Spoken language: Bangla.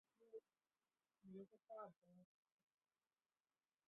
গাড়ি আসা অব্ধি একটু বসবে?